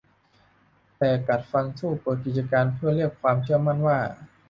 แต่กัดฟันสู้เปิดกิจการเพื่อเรียกความเชื่อมั่นว่า